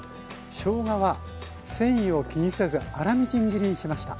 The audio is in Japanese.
しょうがは繊維を気にせず粗みじん切りにしました。